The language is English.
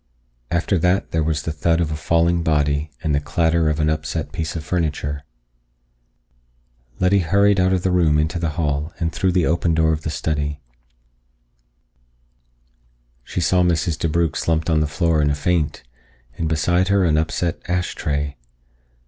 After that there was the thud of a falling body and the clatter of an upset piece of furniture. Letty hurried out of the room into the hall and through the open door of the study. She saw Mrs. DeBrugh slumped on the floor in a faint, and beside her an upset ash tray.